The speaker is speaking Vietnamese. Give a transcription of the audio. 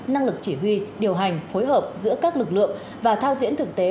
năng lực chỉ huy điều hành phối hợp giữa các lực lượng và thao diễn thực tế